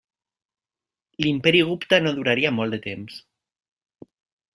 L'Imperi Gupta no duraria molt de temps.